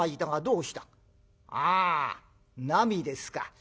「ああなみですか。